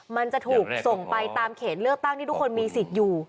มันจะถูกส่งไปตามเขตเลือกตั้งที่ทุกคนมีสิทธิ์อยู่